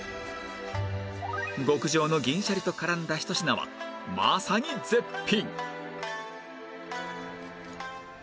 極上の銀シャリと絡んだひと品はまさに絶品！